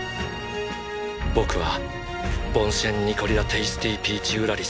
僕はボンシェン・ニコリ・ラ・テイスティピーチ＝ウラリス。